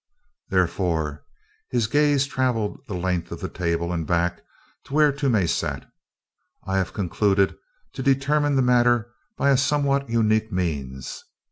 "Therefore," his gaze traveled the length of the table and back to where Toomey sat, "I have concluded to determine the matter by a somewhat unique means.